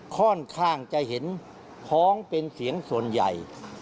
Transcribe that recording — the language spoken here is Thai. ค่อนข้างจะเห็นพ้องเป็นเสียงส่วนใหญ่